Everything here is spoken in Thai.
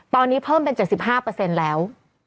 ตอนนี้เพิ่มเป็น๗๕แล้ว